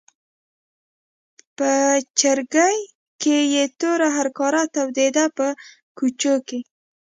په چرګۍ کې یې توره هرکاره تودېده په کوچو کې.